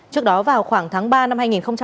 trước đó vào khoảng tháng ba năm hai nghìn một mươi bảy